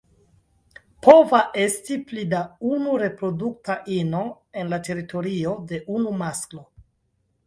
Pova esti pli da unu reprodukta ino en la teritorio de unu masklo.